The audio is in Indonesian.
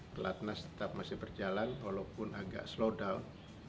pelatnas tetap masih berjalan walaupun agak slow down